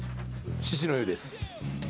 獅子の湯です。